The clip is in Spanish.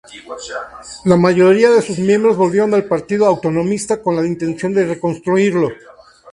La mayoría de sus miembros volvieron al Partido Autonomista con la intención de reconstruirlo.